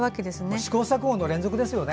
試行錯誤の連続ですよね。